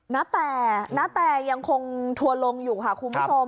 ณแต่ณแต่ยังคงทัวร์ลงอยู่ค่ะคุณผู้ชม